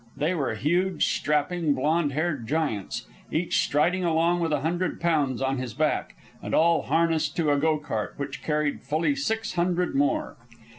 They were huge strapping blond haired giants, each striding along with a hundred pounds on his back, and all harnessed to a go cart which carried fully six hundred more.